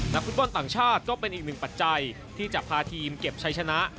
ฟุตบอลต่างชาติก็เป็นอีกหนึ่งปัจจัยที่จะพาทีมเก็บใช้ชนะ